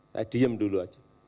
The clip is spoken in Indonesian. saya diem dulu saja